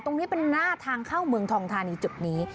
ตรงนี้เป็นหน้าทางเข้าเมืองทองธานีจุดนี้